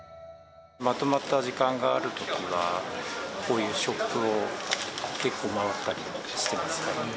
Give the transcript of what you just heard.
まとまった時間があるときは、こういうショップを結構回ったりしていますね。